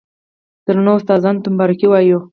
درنو استادانو ته مبارکي وايو،